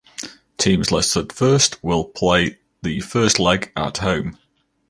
Teams listed first will play the first leg at home.